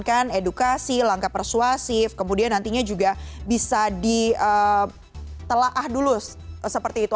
kemudian edukasi langkah persuasif kemudian nantinya juga bisa ditelaah dulu seperti itu